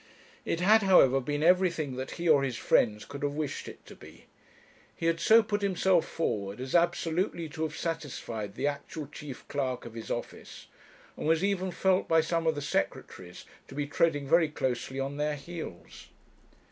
It had, however, been everything that he or his friends could have wished it to be. He had so put himself forward as absolutely to have satisfied the actual chief clerk of his office, and was even felt by some of the secretaries to be treading very closely on their heels.